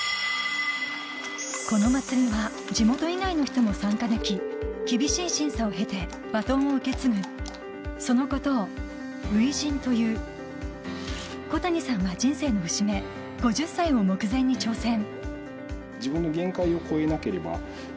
このまつりは地元以外の人も参加でき厳しい審査を経てバトンを受け継ぐそのことを初陣という小谷さんは人生の節目５０歳を目前に挑戦